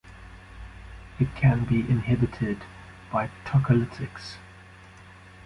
It can be inhibited by tocolytics.